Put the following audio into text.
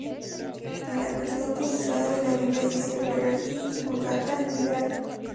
En la versión autorizada de la Biblia dice"Psalteri", y en la Vulgata:"Lyrae".